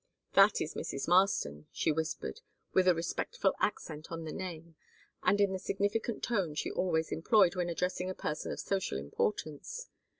"That is Mrs. Masten," she whispered, with a respectful accent on the name and in the significant tone she always employed when addressing a person of social importance.